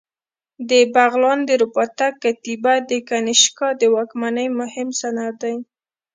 د بغلان د رباطک کتیبه د کنیشکا د واکمنۍ مهم سند دی